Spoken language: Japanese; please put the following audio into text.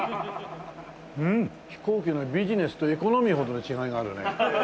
うん飛行機のビジネスとエコノミーほどの違いがあるね。